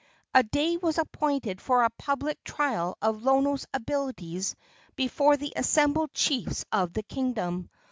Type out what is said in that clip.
A day was appointed for a public trial of Lono's abilities before the assembled chiefs of the kingdom.